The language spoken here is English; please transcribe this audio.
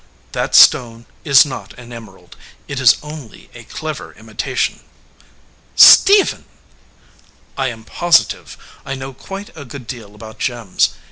"That stone is not an emerald. It is only a clever imitation." "Stephen!" "I am positive. I know quite a good deal about gems.